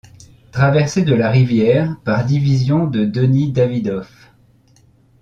Traversée de la rivière par la division de Denis Davydov.